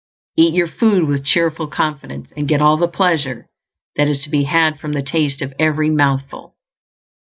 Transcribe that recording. Eat your food with cheerful confidence, and get all the pleasure that is to be had from the taste of every mouthful.